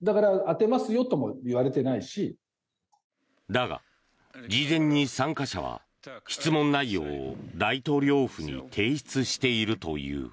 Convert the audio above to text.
だが、事前に参加者は質問内容を大統領府に提出しているという。